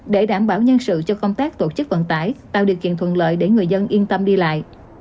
để đảm bảo nhân sự cho công tác tổ chức vận tải tạo điều kiện thuận lợi để người dân yên tâm đi lại